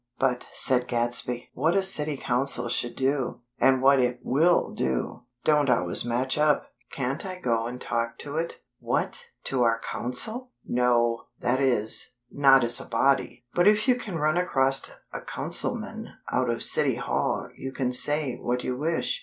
"But," said Gadsby, "what a City Council should do, and what it will do, don't always match up." "Can't I go and talk to it?" "What! To our Council? No; that is, not as a body. But if you can run across a Councilman out of City Hall you can say what you wish.